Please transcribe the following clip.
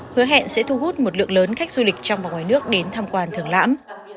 hứa hẹn sẽ thu hút một lượng lớn khách du lịch trong và ngoài nước đến tham quan thường lãm